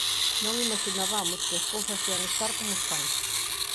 Non imaxinabamos que as cousas ían estar como están.